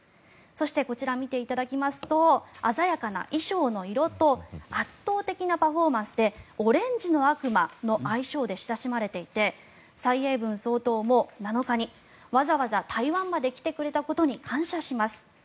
そしてこちらを見ていただきますと鮮やかな衣装の色と圧倒的なパフォーマンスでオレンジの悪魔の愛称で親しまれていて蔡英文総統も７日にわざわざ台湾まで来てくれたことに感謝します